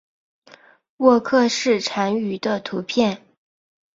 沃克氏蟾鱼的图片